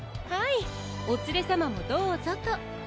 はいおつれさまもどうぞと。